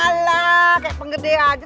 alah kayak penggede aja